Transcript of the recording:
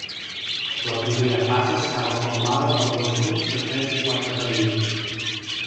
La primera fase estava formada per dos grups de tres i quatre països.